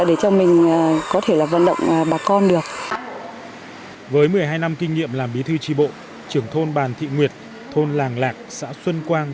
với một mươi hai năm kinh nghiệm làm bí thư tri bộ trưởng thôn bàn thị nguyệt thôn làng lạc xã xuân quang